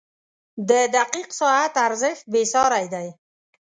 • د دقیق ساعت ارزښت بېساری دی.